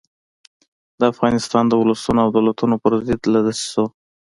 د افغانستان د اولسونو او دولتونو پر ضد له دسیسو.